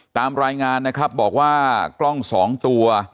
ตามรายงานนะครับบอกว่ากล้อง๒ตัว